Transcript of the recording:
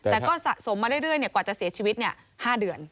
แต่ก็สะสมมาเรื่อยกว่าจะเสียชีวิต๕เดือน